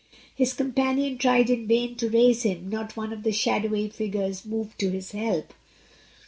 His companion tried in vain to raise him; not one of the shadowy figures moved to his help.